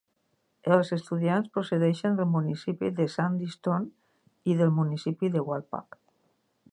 Els estudiants procedeixen del municipi de Sandyston i del municipi de Walpack.